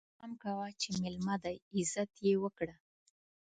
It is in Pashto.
پام کوه چې ميلمه دی، عزت يې وکړه!